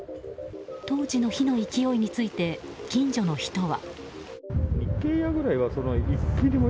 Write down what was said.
当時の火の勢いについて近所の人は。